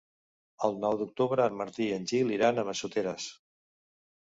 El nou d'octubre en Martí i en Gil iran a Massoteres.